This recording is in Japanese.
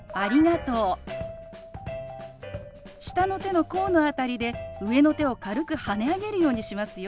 下の手の甲の辺りで上の手を軽くはね上げるようにしますよ。